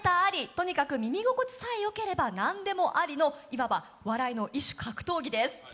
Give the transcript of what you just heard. とにかく耳心地さえよければ何でもありのいわば笑いの異種格闘技です。